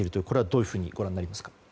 これはどういうふうにご覧になりますか？